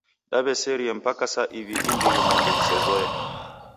Daw'eserie mpaka saa iw'i imbiri mwandu ghusezoe.